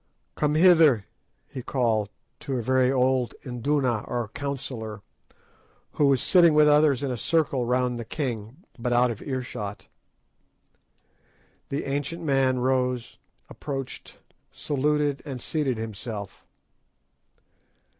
"Come hither," he called, to a very old Induna or councillor, who was sitting with others in a circle round the king, but out of ear shot. The ancient man rose, approached, saluted, and seated himself.